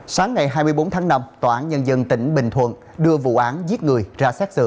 sáng ngày hai mươi bốn tháng năm tòa án nhân dân tỉnh bình thuận đưa vụ án giết người ra xét xử